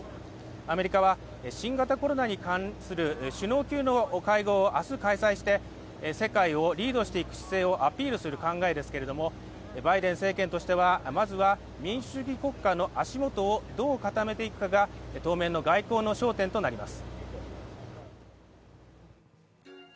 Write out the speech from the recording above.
アメリカは新型コロナに関する首脳級の会合を明日、開催して、世界をリードしていく姿勢をアピールする考えですけどもバイデン政権としてはまずは民主主義国家の足元をどう固めていくかが当面の外交の焦点となります。